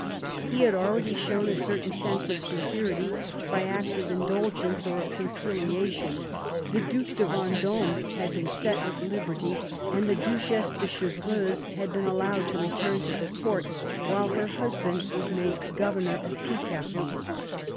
He had already shown a certain sense of security by acts of indul gence or of conciliation : the Due de Vendome had been set at liberty and the Duchesse de Chevreuse had been allowed to return to the Court, while her husband was made governor of Picardy.